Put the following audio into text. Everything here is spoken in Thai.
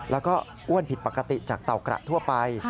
แล้วก็อ้วนผิดปกติจากเต่ากระทั่วไป